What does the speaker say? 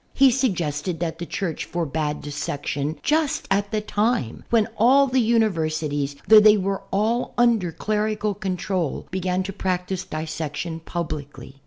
He suggested that the Church forbade dissection, just at the time when all the universities, though they were all under clerical control, began to practice dissection publicly.